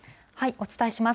お伝えします。